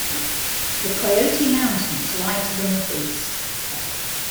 The Coyote Mountains lie to the northeast.